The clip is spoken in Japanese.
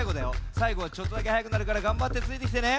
さいごはちょっとだけはやくなるからがんばってついてきてね。